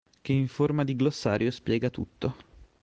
Che in forma di glossario spiega tutto.